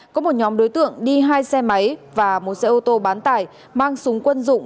có một nhóm đối tượng đi hai xe máy và một xe ô tô bán tải mang súng quân dụng